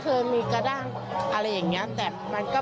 โปรดติดตามต่อไป